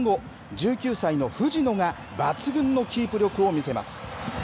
１９歳の藤野が、抜群のキープ力を見せます。